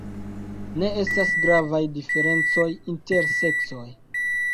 Ne estas gravaj diferencoj inter seksoj.